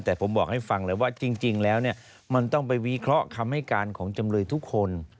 แต่ผมบอกให้ฟังเลยว่าจริงแล้วเนี่ยมันต้องไปวิเคราะห์คำให้การของจำเลยทุกคน